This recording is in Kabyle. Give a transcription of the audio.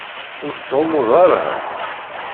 Ur tettɛummuḍ ara?